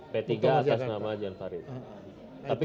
p tiga atas nama jan farid